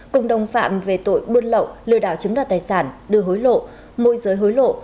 cùng đồng phạm về tội buôn lậu lừa đảo chiếm đoạt tài sản đưa hối lộ môi giới hối lộ